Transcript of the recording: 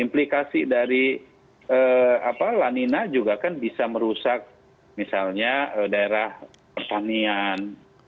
implikasi dari lanina juga kan bisa merusak misalnya daerah pertanian